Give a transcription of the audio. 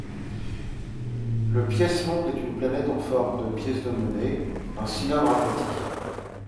Le Pièce-monde est une planète en forme de pièce de monnaie, un cylindre aplati.